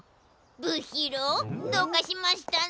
ぶひろうどうかしましたの？